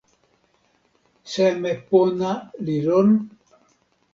seme pona li lon?